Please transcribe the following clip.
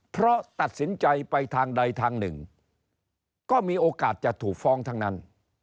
เพราะตัดสินใจไปทางใดทางหนึ่งก็มีโอกาสจะถูกฟ้องทั้งนั้น